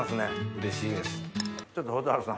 うれしいです。